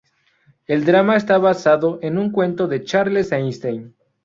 El drama está basado en un cuento de Charles Einstein.